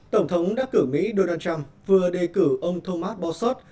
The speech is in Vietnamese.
tổng thống đắc cử mỹ donald trump vừa đề cử ông thomas bosot